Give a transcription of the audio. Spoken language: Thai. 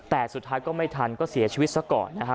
แต่สุดท้ายก็ไม่ทันก็เสียชีวิตซะก่อนนะฮะ